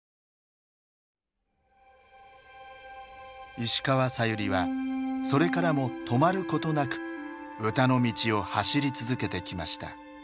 石川さゆりはそれからも止まることなく歌の道を走り続けてきました。